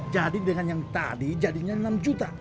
jadi dengan yang tadi jadinya enam juta